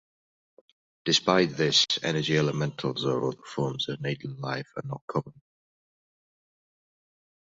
Despite this, energy elementals or other forms of native life are not common.